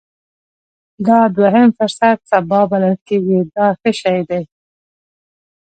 دا دوهم فرصت سبا بلل کېږي دا ښه شی دی.